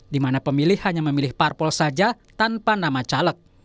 di mana pemilih hanya memilih parpol saja tanpa nama caleg